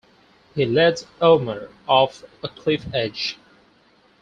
He leads Elmer off a cliff edge.